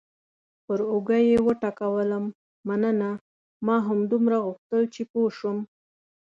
پر اوږه یې وټکولم: مننه، ما همدومره غوښتل چې پوه شم.